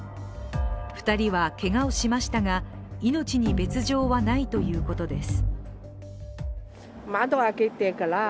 ２人はけがをしましたが、命に別状はないということです。